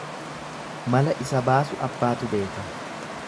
Mala isa baasu abbaatu beeka.